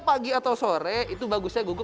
pagi atau sore itu bagusnya gugur